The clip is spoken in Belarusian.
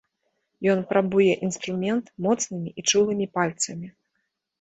Ён прабуе інструмент моцнымі і чулымі пальцамі.